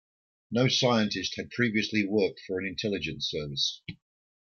No scientist had previously worked for an intelligence service.